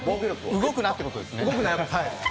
動くなということですね。